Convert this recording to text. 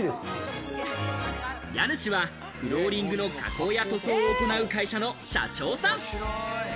家主はフローリングの加工や塗装を行う会社の社長さん。